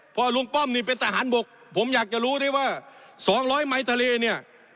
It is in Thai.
พอลุงป้อมนี่เป็นทหารบกผมอยากจะรู้ได้ว่า๒๐๐ไมค์ทะเลเนี่ย